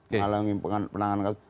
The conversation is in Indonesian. menghalangi penanganan kasus